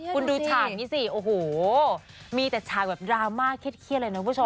คุณดูฉากนี้สิโอ้โหมีแต่ฉากแบบดราม่าเครียดเลยนะคุณผู้ชม